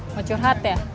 mau curhat ya